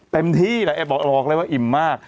เต็มที่แหละบอกเลยว่าอิ่มมาก